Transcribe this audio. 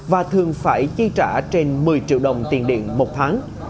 và thường phải chi trả trên một mươi triệu đồng tiền điện một tháng